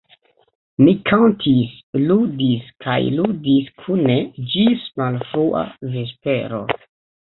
Ni kantis, ludis kaj ludis kune ĝis malfrua vespero.